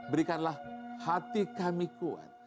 berikanlah hati kami kuat